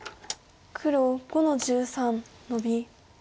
黒５の十三ノビ。